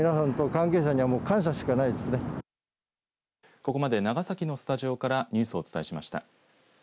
ここまで長崎のスタジオからニュースをお伝えしました。